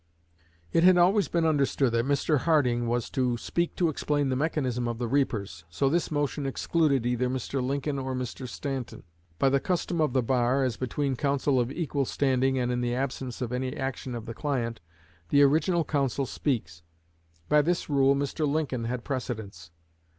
It had always been understood that Mr. Harding was to speak to explain the mechanism of the reapers. So this motion excluded either Mr. Lincoln or Mr. Stanton. By the custom of the bar, as between counsel of equal standing and in the absence of any action of the client, the original counsel speaks. By this rule Mr. Lincoln had precedence.